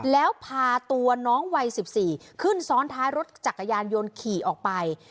แล้วพาตัวน้องวัย๑๔ขึ้นซ้อนท้ายรถจักรยานยนต์ขี่ออกไป